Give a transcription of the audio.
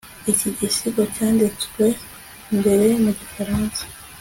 iki gisigo cyanditswe mbere mu gifaransa